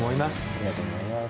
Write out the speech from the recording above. ありがとうございます。